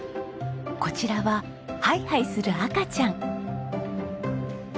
こちらはハイハイする赤ちゃん。